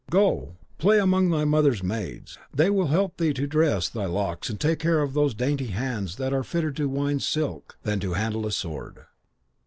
Go, play among thy mother's maids; they will help thee to dress thy locks and take care of those dainty hands that are fitter to wind silk than to handle a sword.'